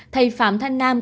thầy phạm thanh nam